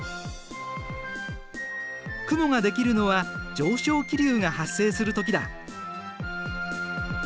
雲ができるのは上昇気流が発生する時だ。